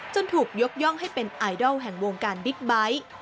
ถูกยกย่องให้เป็นไอดอลแห่งวงการบิ๊กไบท์